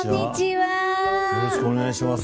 よろしくお願いします。